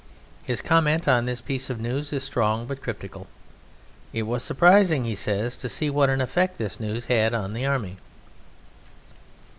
His comment on this piece of news is strong but cryptical. "It was surprising," he says, "to see what an effect this news had on the Army."